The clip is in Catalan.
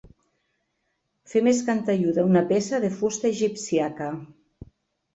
Fer més cantelluda una peça de fusta egipcíaca.